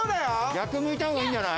逆向いた方がいいんじゃない？